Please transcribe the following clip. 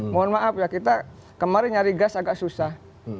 mohon maaf ya kita kemarin nyari gas agak susah